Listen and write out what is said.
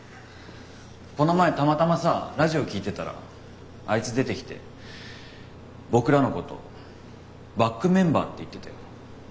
この前たまたまさラジオ聞いてたらあいつ出てきて僕らのこと「バックメンバー」って言ってたよ。